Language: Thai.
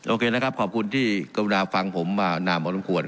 โอเคนะครับขอบคุณที่กรุณาฟังผมมานานพอสมควร